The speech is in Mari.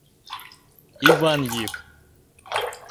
Иван йӱк.